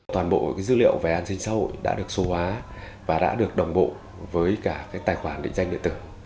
toàn bộ dữ liệu về an sinh xã hội đã được số hóa và đã được đồng bộ với cả tài khoản định danh điện tử